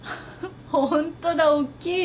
本当だ大きい！